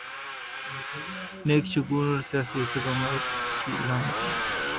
نیک شگون اور سیاسی استحکام کی علامت ہے۔